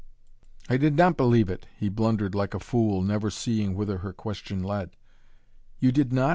"I did not believe it," he blundered like a fool, never seeing whither her question led. "You did not?"